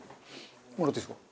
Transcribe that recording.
もらっていいですか？